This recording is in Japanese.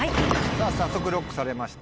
さぁ早速ＬＯＣＫされました。